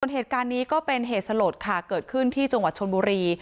เหตุการณ์นี้ก็เป็นเหตุสลดค่ะเกิดขึ้นที่จังหวัดชนบุรี